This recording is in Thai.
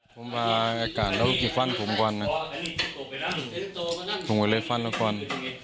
ผมมาอากาศแล้วก็กินฟันผมก่อนนะผมก็เลยฟันแล้วก่อน